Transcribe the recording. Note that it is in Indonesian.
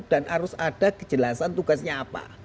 dan harus ada kejelasan tugasnya apa